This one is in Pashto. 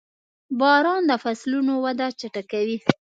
• باران د فصلونو وده چټکوي.